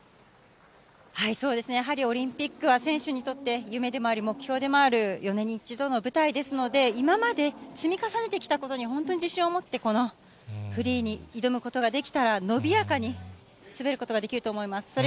そうですね、やはりオリンピックは選手にとって夢でもあり、目標でもある、４年に１度の舞台ですので、今まで積み重ねてきたことに本当に自信を持って、このフリーに挑むことができたら、伸びやかに滑ることができると思います。